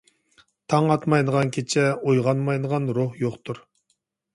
تاڭ ئاتمايدىغان كېچە، ئويغانمايدىغان روھ يوقتۇر.